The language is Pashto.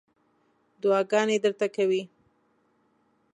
دعاګانې درته کوي.